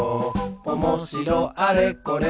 「おもしろあれこれ